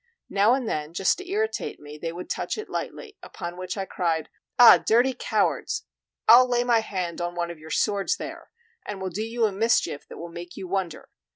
Now and then, just to irritate me, they would touch it lightly, upon which I cried: "Ah, dirty cowards! I'll lay my hand on one of your swords there, and will do you a mischief that will make you wonder.